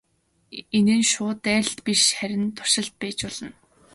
Энэ нь шууд дайралт биш харин туршилт байж болно.